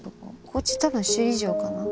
こっち多分首里城かな。